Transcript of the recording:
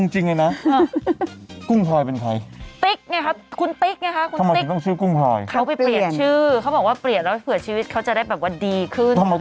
จริงเหรอกุ้งพลอยนี่เหรอ